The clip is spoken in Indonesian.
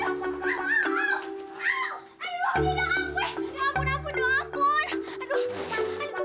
ya ampun ampun ampun